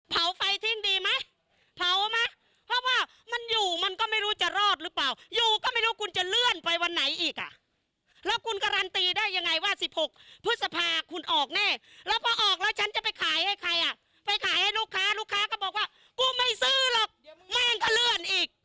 ไปขายให้ลูกค้าลูกค้าก็บอกว่ากูไม่ซื้อหรอกแม่งก็เลื่อนอีก